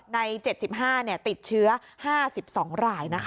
ใน๗๕ติดเชื้อ๕๒รายนะคะ